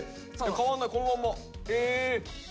変わんないこのまんま。え。